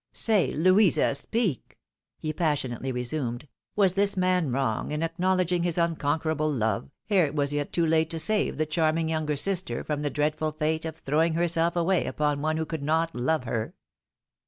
" Say, Louisa ! speak !" he passionately resumed ;" was this man wrong in acknowledging his unconquerable love, ere it was yet too late to save the charming younger sister from the dreadful fate of throwing herself away upon one who could not love her